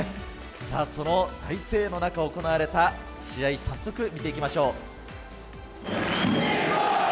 大声援の中、行われた試合を早速、見ていきましょう。